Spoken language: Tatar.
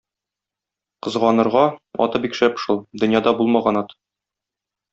Кызганырга, аты бик шәп шул, дөньяда булмаган ат.